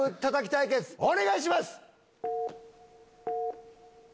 対決お願いします！